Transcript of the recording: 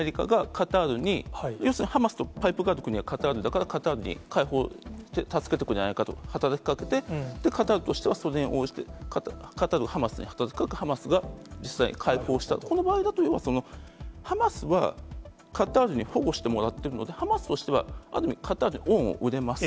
カタールに、要するにパイプがある国はカタールだから、カタールに解放を助けてくれないかと働きかけて、カタールとしてはそれに応じて、カタールがハマスに、ハマスが実際に解放したという、この場合はハマスはカタールに保護してもらっているので、ハマスとしてはある意味、カタールに恩を売れます。